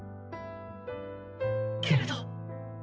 けれど！